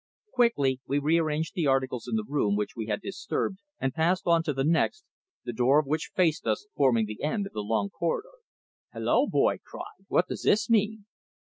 Quickly we rearranged the articles in the room which we had disturbed and passed on to the next, the door of which faced us, forming the end of the long corridor. "Hulloa!" Boyd cried. "What does this mean?"